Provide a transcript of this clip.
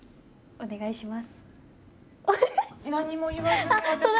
お願いします。